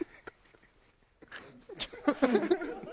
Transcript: ハハハハ！